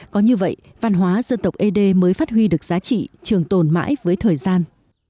có như vậy văn hóa dân tộc ế đê mới phát huy được giá trị trường tồn mãi với thời gian